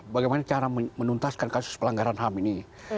bagaimana cara menuntaskan kasus pelanggaran ham ini